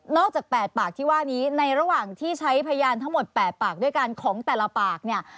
จาก๘ปากที่ว่านี้ในระหว่างที่ใช้พยานทั้งหมด๘ปากด้วยกันของแต่ละปากเนี่ย